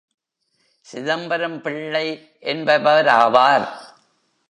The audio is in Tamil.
சிதம்பரம் பிள்ளை என்பவராவார்.